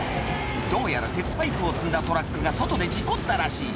どうやら鉄パイプを積んだトラックが外で事故ったらしい